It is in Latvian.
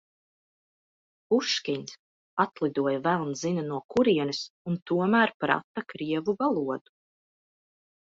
Puškins atlidoja velns zina no kurienes un tomēr prata krievu valodu.